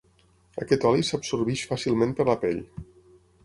Aquest oli s'absorbeix fàcilment per la pell.